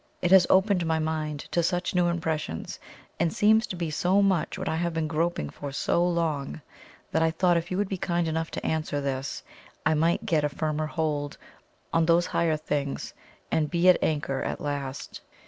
It has opened my mind to such new impressions, and seems to be so much what I have been groping for so long, that I thought if you would be kind enough to answer this, I might get a firmer hold on those higher things and be at anchor at last.